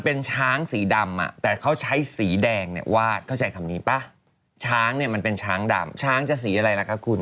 เป็นภาพวาดของผมเนี่ย